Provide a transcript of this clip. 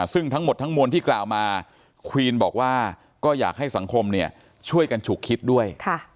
ซึ่งทั้งหมดทั้งมวลที่กล่าวมาควีนบอกว่าก็อยากให้สังคมช่วยกันฉุกคิดด้วย